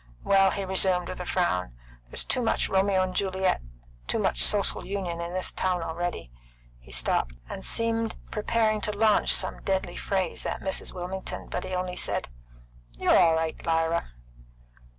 Well," he resumed, with a frown, "there's too much Romeo and Juliet, too much Social Union, in this town already." He stopped, and seemed preparing to launch some deadly phrase at Mrs. Wilmington, but he only said, "You're all right, Lyra."